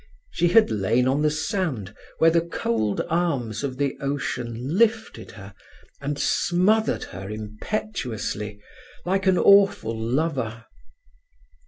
She had lain on the sand where the cold arms of the ocean lifted her and smothered her impetuously, like an awful lover.